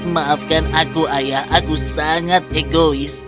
maafkan aku ayah aku sangat egois